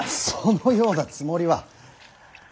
そのようなつもりは。